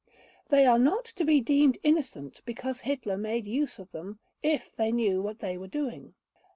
They are not to be deemed innocent because Hitler made use of them, if they knew what they were doing.